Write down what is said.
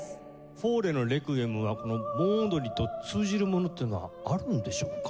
フォーレの『レクイエム』はこの盆踊りと通じるものというのがあるんでしょうか？